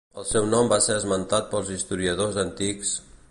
El seu nom va ser esmentat pels historiadors antics: